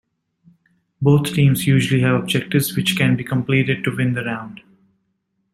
Both teams usually have objectives which can be completed to win the round.